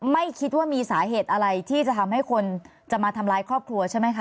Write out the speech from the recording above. ไม่คิดว่ามีสาเหตุอะไรที่จะทำให้คนจะมาทำร้ายครอบครัวใช่ไหมคะ